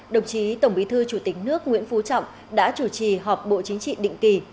đồng chí tổng bí thư chủ tịch nước nguyễn phú trọng đã chủ trì họp bộ chính trị định kỳ